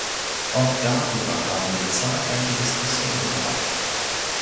Auch darüber haben wir zahlreiche Diskussionen gehabt.